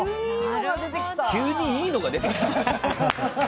急にいいのが出てきた？